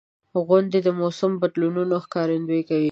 • غونډۍ د موسمي بدلونونو ښکارندویي کوي.